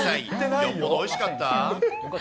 よっぽどおいしかった？